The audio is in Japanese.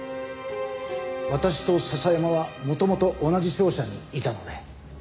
私と笹山は元々同じ商社にいたので。